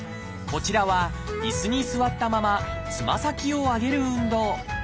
こちらはいすに座ったままつま先を上げる運動。